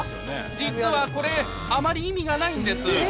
実はこれあまり意味がないんです